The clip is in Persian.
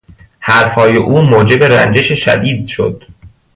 حرف های او موجب رنجش شدید شد.